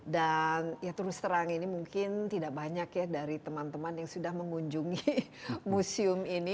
ya terus terang ini mungkin tidak banyak ya dari teman teman yang sudah mengunjungi museum ini